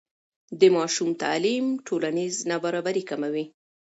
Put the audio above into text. د ماشوم تعلیم ټولنیز نابرابري کموي.